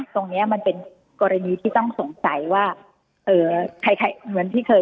ตรงนี้มันเป็นกรณีที่ต้องสงสัยว่าเอ่อใครเหมือนที่เคย